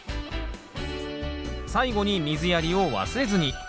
最後に水やりを忘れずに。